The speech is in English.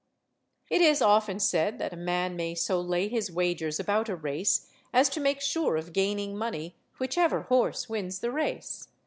It is often said that a man may so lay his wagers about a race as to make sure of gaining money whichever horse wins the race.